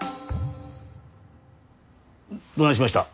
どないしました？